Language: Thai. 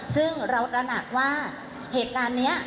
ซึ่งเราตระหนักว่าเหตุการณ์นี้